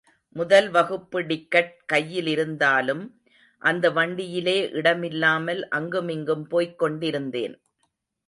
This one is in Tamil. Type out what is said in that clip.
முதல் வகுப்பு டிக்கட் கையிலிருந்தாலும் அந்த வண்டியிலே இடமில்லாமல் அங்குமிங்கும் போய்க் கொண்டிருந்தேன்.